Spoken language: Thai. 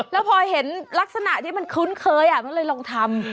แล้วพอเห็นลักษณะที่มันคุ้นเคยมันเลยลองทำ